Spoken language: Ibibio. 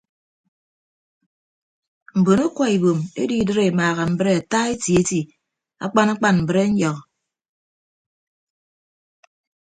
Mbon akwa ibom edo idịd emaaha mbre ata eti eti akpan akpan mbrenyọ.